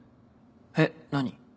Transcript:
えっ何？